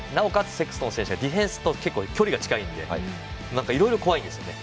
セクストン選手はディフェンスと距離が近いのでいろいろ怖いんですね。